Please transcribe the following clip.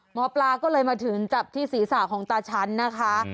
หมอปลาก็เลยมาถึงจับที่ศีรษะของตาฉันนะคะ